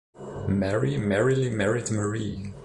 Mary merrily married Marie.